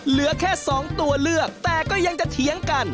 เหลือแค่สองตัวเลือกแต่ก็ยังจะเถียงกัน